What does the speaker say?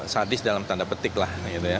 sadis dalam tanda petik lah